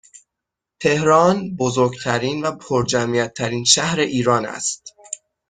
تهران بزرگترین و پرجمعیت ترین شهر ایران است